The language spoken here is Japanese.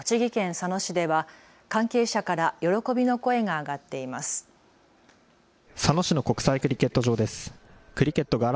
佐野市の国際クリケット場です。